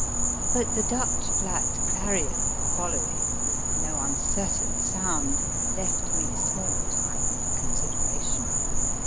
But the Dutch Flat Clarion, following, with no uncertain sound, left me small time for consideration.